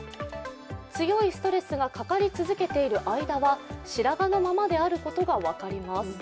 強いストレスがかかり続けている間は白髪のままであることが分かります。